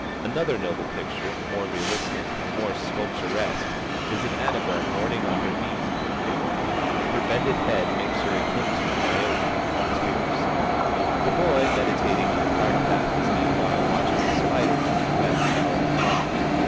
Another noble picture, more realistic, more sculpturesque, is of Annabel mourning on her knees in her room. Her bended head makes her akin to "Niobe, all tears." The boy meditating on a park path is meanwhile watching the spider in his web devour the fly.